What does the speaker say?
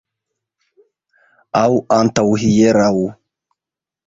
Aŭ antaŭhieraŭ.